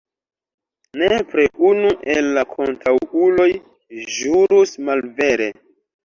Nepre unu el la kontraŭuloj ĵurus malvere.